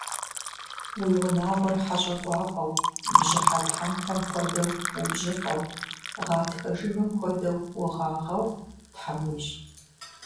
Уи унагъуэр хьэщӏэ кӏуапӏэу, бжьыхьэ тхьэмпэм хуэдэу убжьыфӏэу, гъатхэ жыгым хуэдэу угъагъэу Тхьэм уищӏ!